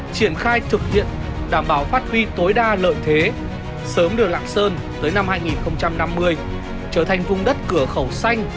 triển khai thực hiện đảm bảo phát huy tối đa lợi thế sớm đưa lạng sơn tới năm hai nghìn năm mươi trở thành vùng đất cửa khẩu xanh